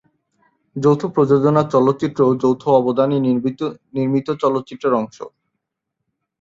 যৌথ প্রযোজনার চলচ্চিত্রও যৌথ অবদানে নির্মিত চলচ্চিত্রের অংশ।